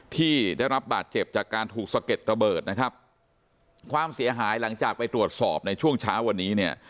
ที่ได้รับบาดเจ็บจากการถูกสะเก็ดระเบิดนะครับความเสียหายหลังจากไปตรวจสอบในช่วงเช้าวันนี้เนี่ย